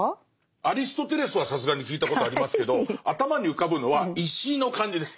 アリストテレスはさすがに聞いたことありますけど頭に浮かぶのは石の感じです。